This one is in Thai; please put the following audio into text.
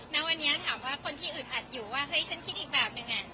แล้ววันนี้ถามว่าคนที่อื่นอัดอยู่ว่าเฮ้ยฉันคิดอีกแบบหนึ่งอ่ะ